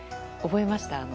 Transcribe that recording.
覚えました？